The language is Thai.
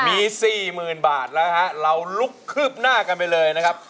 มี๔๐๐๐บาทแล้วฮะเราลุกคืบหน้ากันไปเลยนะครับ